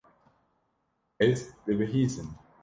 Ez dibihîzim.